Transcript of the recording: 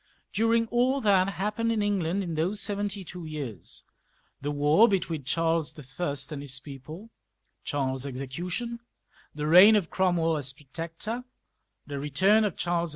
During all that happened in England in those seventy two years — ^the war between Charles L and his people, Charles's execution^ the reign of Cromwell as Protector, the return of Charles II.